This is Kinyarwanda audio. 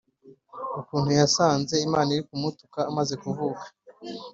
ukuntu yasanze Imana iri mu kumutuka amaze kuvuka